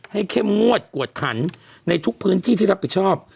เข้มงวดกวดขันในทุกพื้นที่ที่รับผิดชอบ